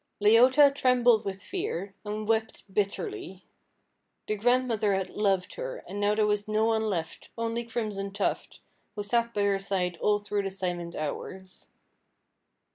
Leota trembled with fear, and wept bitterly. The grandmother had loved her, and now there was no one left, only Crimson Tuft, who sat by her side all through the silent hours.